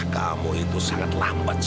kamu itu sangat lambat